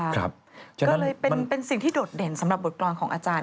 ก็เลยเป็นสิ่งที่โดดเด่นสำหรับบทกรณ์ของอาจารย์